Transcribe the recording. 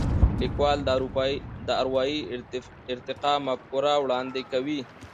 لیکوال د اروايي ارتقا مفکوره وړاندې کوي.